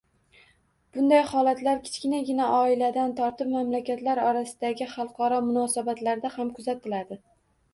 Bunday holatlar kichkinagina oiladan tortib mamlakatlar orasidagi xalqaro munosabatlarda ham kuzatiladi